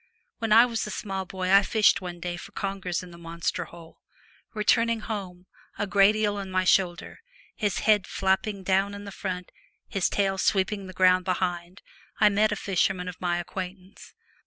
When I was a small boy I fished one day for congers in the monster hole. Return ing home, a great eel on my shoulder, his head flapping down in front, his tail 181 The sweeping the ground behind, I met a Twilight, fisherman of my acquaintance.